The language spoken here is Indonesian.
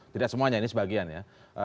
tidak semuanya ini sebagian ya